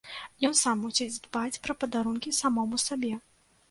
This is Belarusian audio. Ён сам мусіць дбаць пра падарункі самому сабе.